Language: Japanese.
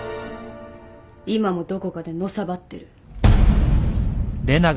今もどこかでのさばってる。